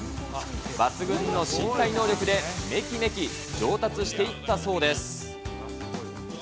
抜群の身体能力でめきめき上達していったそうです。